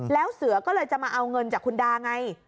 แล้วเสือก็เลยจะมาเอาเงินจากคุณดาไง